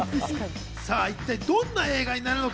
一体、どんな映画になるのか？